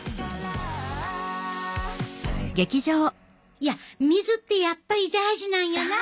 いや水ってやっぱり大事なんやなあ。